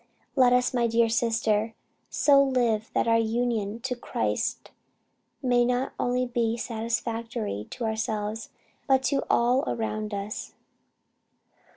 "Let us, my dear sister, so live, that our union to Christ may not only be satisfactory to ourselves but to all around us.